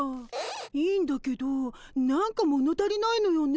いいんだけど何か物足りないのよね。